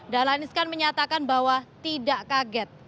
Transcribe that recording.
dahlan iskan menyatakan bahwa tidak kaget